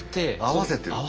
合わせてる。